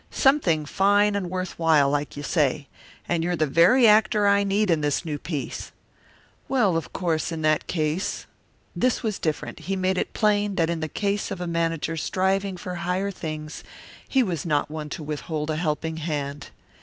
Something fine and worth while, like you say. And you're the very actor I need in this new piece." "Well, of course, in that case " This was different; he made it plain that in the case of a manager striving for higher things he was not one to withhold a helping hand.